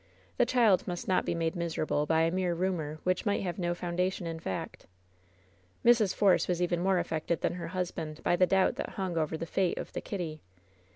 The child must not be made miserable by a mere rumor which might have no foundation in fact. Mrs. Force was even more affected than her husband by the doubt that hung over the fate of the Kitty.